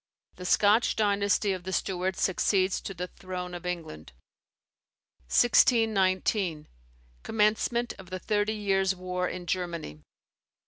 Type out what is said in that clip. The Scotch dynasty of the Stuarts succeeds to the throne of England. 1619. Commencement of the Thirty Years' War in Germany.